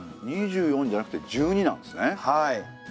２４じゃなくて１２なんですね。